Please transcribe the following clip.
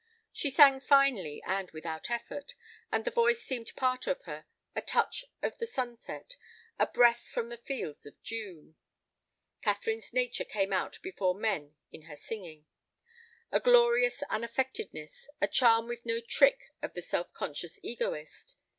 She sang finely, and without effort, and the voice seemed part of her, a touch of the sunset, a breath from the fields of June. Catherine's nature came out before men in her singing. A glorious unaffectedness, a charm with no trick of the self conscious egoist.